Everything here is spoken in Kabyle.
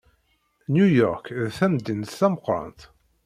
New York d tamdint d tameqrant.